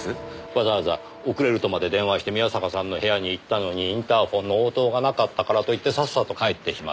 わざわざ遅れるとまで電話して宮坂さんの部屋に行ったのにインターホンの応答がなかったからといってさっさと帰ってしまう。